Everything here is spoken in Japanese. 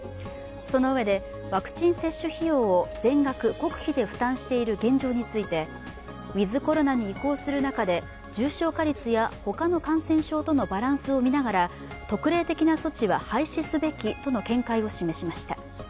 その上でワクチン接種費用を全額国費で負担している現状についてウィズ・コロナに移行する中で、重症化率や他の感染症とのバランスを見ながら特例的な措置は廃止すべきとの見解を示しました。